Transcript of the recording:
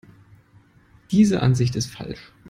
Diese Ansicht ist falsch.